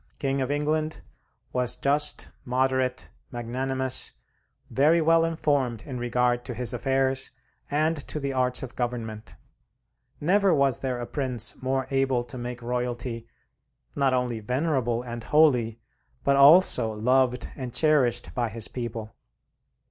King of England, was just, moderate, magnanimous, very well informed in regard to his affairs and to the arts of government; never was there a prince more able to make royalty not only venerable and holy, but also loved and cherished by his people.